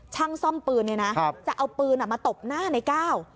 ช่างซ่อมปืนจะเอาปืนมาตบหน้านายก้าว